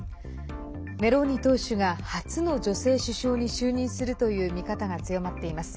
メローニ党首が初の女性首相に就任するという見方が強まっています。